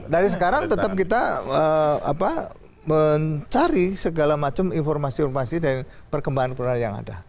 dari sekarang tetap kita mencari segala macam informasi informasi dan perkembangan perkembangan yang ada